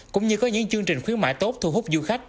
cũng như có những chương trình khuyến mại tốt thu hút du khách